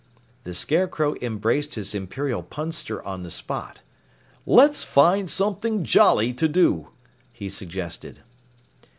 The Scarecrow embraced his Imperial Punster on the spot. "Let's find something jolly to do," he suggested.